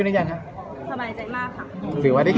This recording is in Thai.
ส่วนใหญ่ส่วนใหญ่แม็ตก็